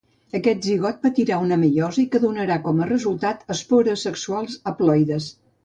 Aquest zigot patirà una meiosi que donarà com a resultat espores sexuals haploides.